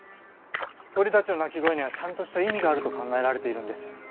鳥たちの鳴き声にはちゃんとした意味があると考えられているんです。